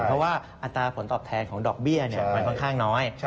เพราะว่าอัตราผลตอบแทนของดอกเบี้ยมันค่อนข้างน้อย